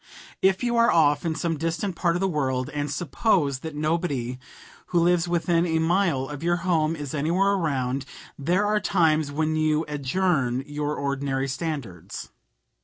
If you are off in some distant part of the world and suppose that nobody who lives within a mile of your home is anywhere around, there are times when you adjourn your ordinary standards.